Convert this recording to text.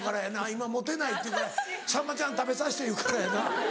今持てないって言うから「さんまちゃん食べさせて」言うからやな。